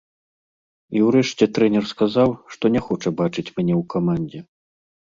І ўрэшце трэнер сказаў, што не хоча бачыць мяне ў камандзе.